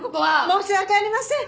申し訳ありません。